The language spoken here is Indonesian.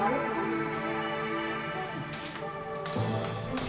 oh ya tuhan